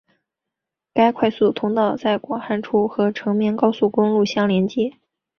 该快速通道在广汉处和成绵高速公路相连接。